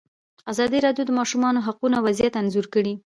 ازادي راډیو د د ماشومانو حقونه وضعیت انځور کړی.